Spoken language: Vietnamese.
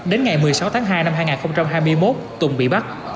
đến ngày một mươi sáu tháng hai năm hai nghìn hai mươi một tùng bị bắt